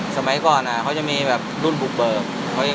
สมัยก่อนเขาจะมีรุ่นบุกเบิกเขาก็จะเป็นหัวหน้าวิน